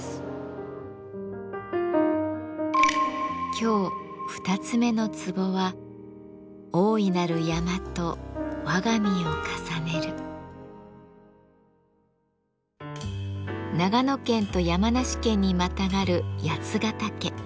今日二つ目のツボは長野県と山梨県にまたがる八ヶ岳。